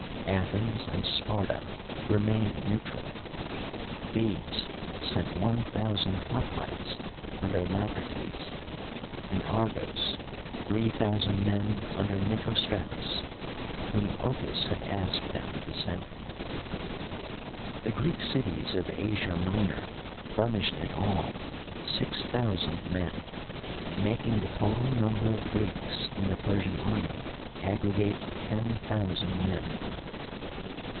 Athens and Sparta remained neutral. Thebes sent one thousand hoplites under Lacrates, and Argos, three thousand men under Nicostratus, whom Ochus had asked them to send him. The Greek cities of Asia Minor furnished in all six thousand men, making the total number of Greeks in the Persian army aggregate ten thousand men.